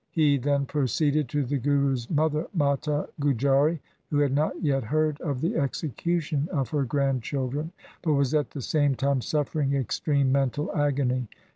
He then proceeded to the Guru's mother Mata Gujari, who had not yet heard of the execution of her grandchildren, but was at the same time suffering extreme mental agony.